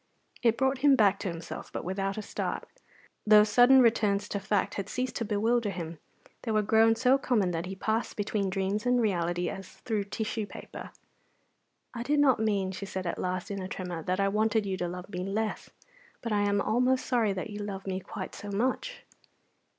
It brought him back to himself, but without a start. Those sudden returns to fact had ceased to bewilder him; they were grown so common that he passed between dreams and reality as through tissue paper. "I did not mean," she said at last, in a tremor, "that I wanted you to love me less, but I am almost sorry that you love me quite so much."